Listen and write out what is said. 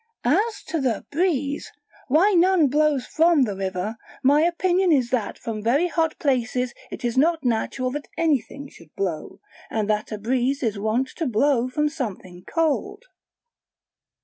As to the breeze, why none blows from the river, my opinion is that from very hot places it is not natural that anything should blow, and that a breeze is wont to blow from something cold.